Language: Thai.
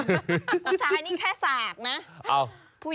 ผู้ชายนี่แค่สากนะ